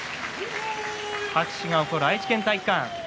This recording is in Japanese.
拍手が起こる愛知県体育館